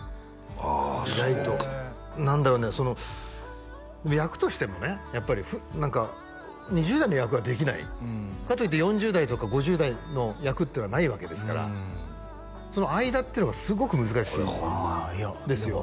あそうか何だろうね役としてもねやっぱり何か２０代の役はできないかといって４０代とか５０代の役っていうのはないわけですからその間っていうのがすごく難しいんですよ